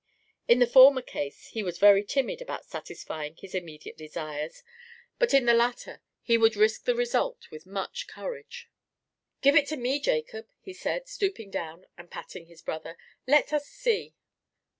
In the former case he was very timid about satisfying his immediate desires, but in the latter he would risk the result with much courage. "Give it me, Jacob," he said, stooping down and patting his brother. "Let us see."